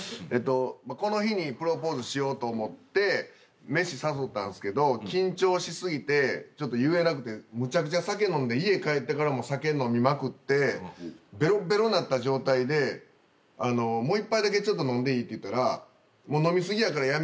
この日にプロポーズしようと思って飯誘ったんすけど緊張し過ぎて言えなくてむちゃくちゃ酒飲んで家帰ってからも酒飲みまくってべろべろになった状態でもう１杯だけ飲んでいい？って言ったら「飲み過ぎやからやめ」